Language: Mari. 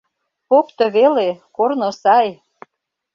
Покто веле, корно сай!